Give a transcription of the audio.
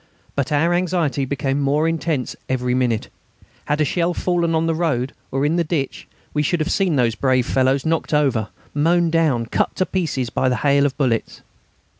But our anxiety became more intense every minute. Had a shell fallen on the road or in the ditch, we should have seen those brave fellows knocked over, mown down, cut to pieces, by the hail of bullets.